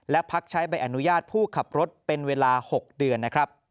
และพักใช้ใบอนุญาตผู้ขับรถเป็นเวลา๖เดือนนะครับ